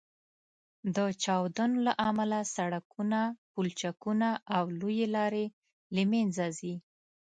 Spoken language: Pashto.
د چاودنو له امله سړکونه، پولچکونه او لویې لارې له منځه ځي